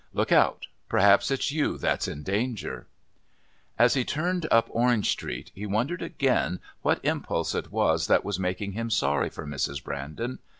Look out! Perhaps it's you that's in danger!" As he turned up Orange Street he wondered again what impulse it was that was making him sorry for Mrs. Brandon.